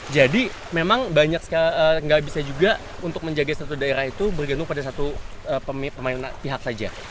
jadi memang banyak sekali gak bisa juga untuk menjaga satu daerah itu bergantung pada satu pemain pihak saja